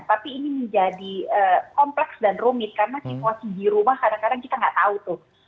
tapi ini menjadi kompleks dan rumit karena situasi di rumah kadang kadang kita nggak tahu tuh